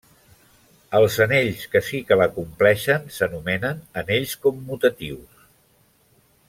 Els anells que sí que la compleixen s'anomenen anells commutatius.